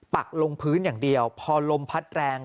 ปักลงพื้นอย่างเดียวพอลมพัดแรง